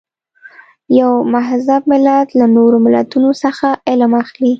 یو مهذب ملت له نورو ملتونو څخه علم اخلي.